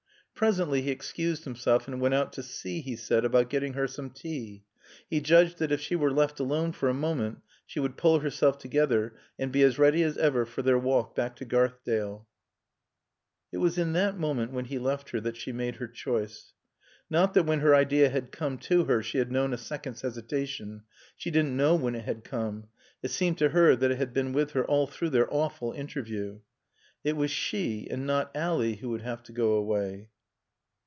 Presently he excused himself and went out to see, he said, about getting her some tea. He judged that if she were left alone for a moment she would pull herself together and be as ready as ever for their walk back to Garthdale. It was in that moment when he left her that she made her choice. Not that when her idea had come to her she had known a second's hesitation. She didn't know when it had come. It seemed to her that it had been with her all through their awful interview. It was she and not Ally who would have to go away.